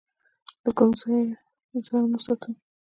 له کوم ځای ځان وساتم؟